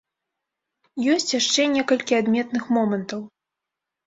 Ёсць яшчэ некалькі адметных момантаў.